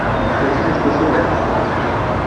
Es una especie ornamental.